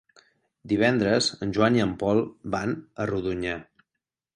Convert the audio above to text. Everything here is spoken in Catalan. Divendres en Joan i en Pol van a Rodonyà.